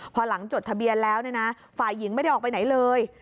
พอหลังจดทะเบียนแล้วฝ่ายหญิงไม่ได้ออกไปไหนเลย